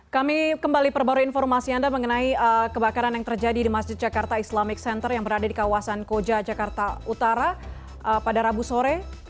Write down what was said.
kami kembali perbarui informasi anda mengenai kebakaran yang terjadi di masjid jakarta islamic center yang berada di kawasan koja jakarta utara pada rabu sore